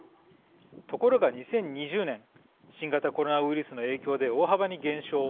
ところが２０２０年新型コロナウイルスの影響で大幅に減少。